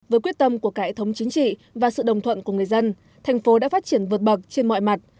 với quyết tâm của cải thống chính trị và sự đồng thuận của người dân thành phố đã phát triển vượt bậc trên mọi mặt